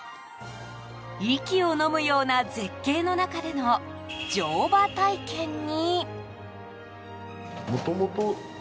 息をのむような絶景の中での乗馬体験に。